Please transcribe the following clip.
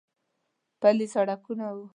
پلي سړکونه و.